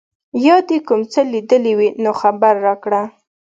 یا دي کوم څه لیدلي وي نو خبر راکړه.